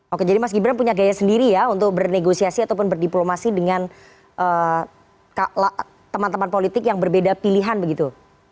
oke jadi mas gibran punya gaya sendiri ya untuk bernegosiasi ataupun berdiplomasi dengan teman teman politik yang berbeda pilihan begitu